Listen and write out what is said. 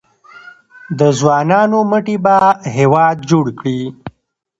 د ځوانانو مټې به هیواد جوړ کړي؟